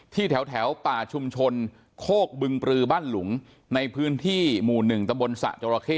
แถวป่าชุมชนโคกบึงปลือบ้านหลุงในพื้นที่หมู่๑ตะบนสะจราเข้